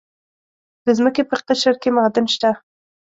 د ځمکې په قشر کې معادن شته.